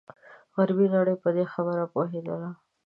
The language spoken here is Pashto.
غربي نړۍ په دې خبره پوهېدله.